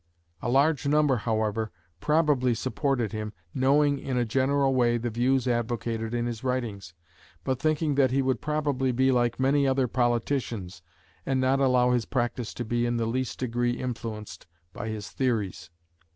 A large number, however, probably supported him, knowing in a general way the views advocated in his writings, but thinking that he would probably be like many other politicians, and not allow his practice to be in the least degree influenced by his theories.